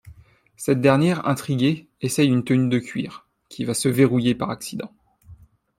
Cette dernière intriguée, essaye une tenue de cuir... qui va se verrouiller par accident.